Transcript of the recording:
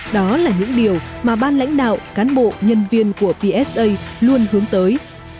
đó là những điều mà ban lãnh đạo cán bộ nhân viên của psa luôn hướng tới